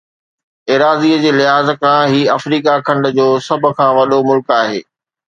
ايراضيءَ جي لحاظ کان هي آفريڪا کنڊ جو سڀ کان وڏو ملڪ آهي